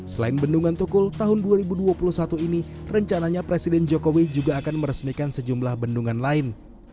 selain bendungan tukul tahun dua ribu dua puluh satu ini rencananya presiden jokowi juga akan meresmikan sejumlah bendungan lain